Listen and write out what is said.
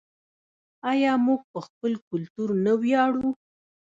آیا موږ په خپل کلتور نه ویاړو؟